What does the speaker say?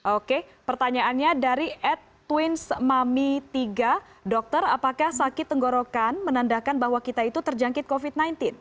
oke pertanyaannya dari ed twins mami tiga dokter apakah sakit tenggorokan menandakan bahwa kita itu terjangkit covid sembilan belas